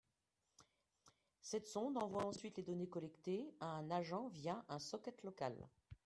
Cette sonde envoie ensuite les données collectées à un agent via un socket local